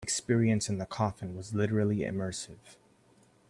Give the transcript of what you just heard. The experience in the coffin was literally immersive.